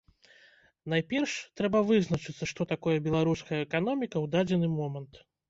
Найперш, трэба вызначыцца, што такое беларуская эканоміка ў дадзены момант.